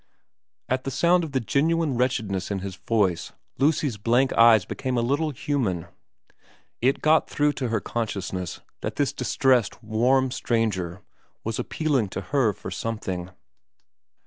At the sound of the genuine wretchedness in his voice Lucy's blank eyes became a little human. It got through to her consciousness that this distressed warm stranger was appealing to her for something.